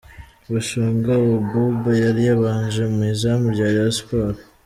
Bashunga Abouba yari yabanje mu izamu rya Rayon Sports.